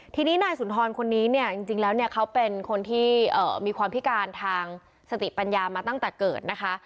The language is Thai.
ทีนี้นายสุนทรคนนี้เนี่ยจริงแล้วเนี่ยเขาเป็นคนที่มีความพิการทางสติปัญญามาตั้งแต่เกิดนะคะ